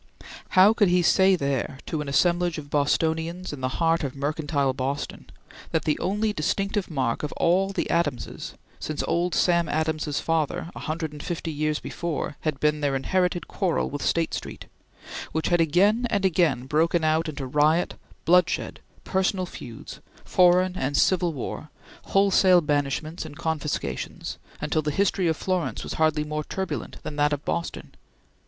How could he say there, to an assemblage of Bostonians in the heart of mercantile Boston, that the only distinctive mark of all the Adamses, since old Sam Adams's father a hundred and fifty years before, had been their inherited quarrel with State Street, which had again and again broken out into riot, bloodshed, personal feuds, foreign and civil war, wholesale banishments and confiscations, until the history of Florence was hardly more turbulent than that of Boston?